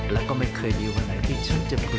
และไม่เคยดีวันไหนฉันจำจะเบื่อ